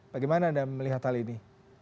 bagaimana anda melihat hal ini